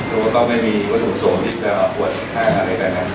แล้วก็ไม่มีวัตถุโสมที่จะปวดห้างอะไรด้วยนะครับ